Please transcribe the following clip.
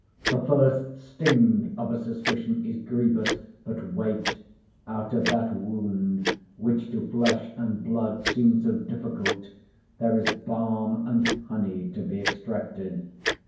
The first sting of a suspicion is grievous; but wait—out of that wound, which to flesh and blood seemed so difficult, there is balm and honey to be extracted.